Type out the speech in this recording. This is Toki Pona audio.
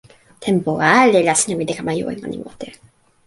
tenpo ale la sina wile kama jo e mani mute.